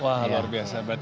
wah luar biasa